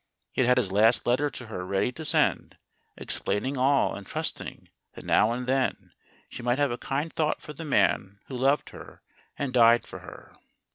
He had his last letter to her ready to send, explaining all and trusting that now and then she might have a kind thought for the man who loved her and died for her.